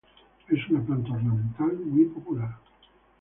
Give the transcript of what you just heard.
Es una planta ornamental muy popular.